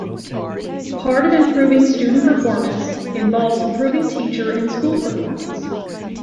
Part of improving student performance involves improving teacher and school performance.